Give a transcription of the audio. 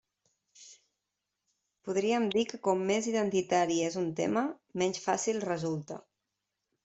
Podríem dir que com més «identitari» és un tema, menys fàcil resulta.